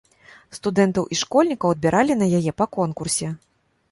Студэнтаў і школьнікаў адбіралі на яе па конкурсе.